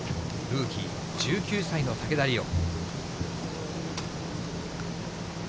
ルーキー、１９歳の竹田麗央。